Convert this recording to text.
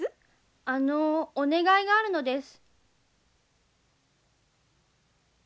あのお願いがあるのです。